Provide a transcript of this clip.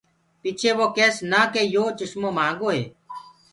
پڇي وو ڪيس نآ ڪي يو چسمو مهآنگو هي۔